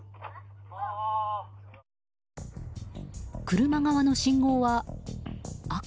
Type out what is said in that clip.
車側の信号は赤。